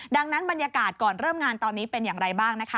ดังนั้นบรรยากาศก่อนเริ่มงานตอนนี้เป็นอย่างไรบ้างนะคะ